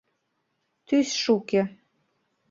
Тӱсшӧ уке.